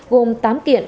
gồm tám kiện